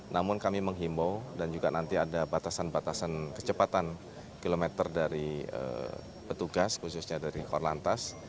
namun kami menghimbau dan juga nanti ada batasan batasan kecepatan kilometer dari petugas khususnya dari korlantas